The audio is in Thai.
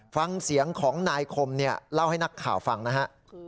ฟังเสียงของนายคมเนี่ยเล่าให้นักข่าวฟังนะฮะ